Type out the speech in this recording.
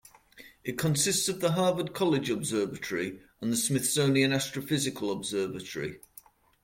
It consists of the Harvard College Observatory and the Smithsonian Astrophysical Observatory.